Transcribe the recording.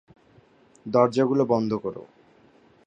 দরজাগুলো বন্ধ কর।